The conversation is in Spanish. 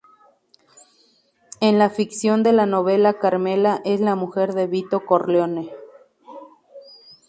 En la ficción de la novela Carmella es la mujer de Vito Corleone.